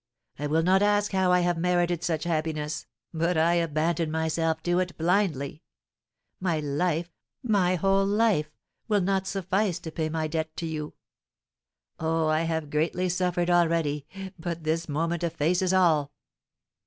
I will not ask how I have merited such happiness, but I abandon myself to it blindly; my life, my whole life, will not suffice to pay my debt to you! Oh, I have greatly suffered already, but this moment effaces all!"